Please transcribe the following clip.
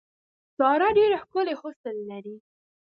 ساره ډېر ښکلی حسن لري.